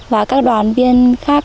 và các đoàn viên khác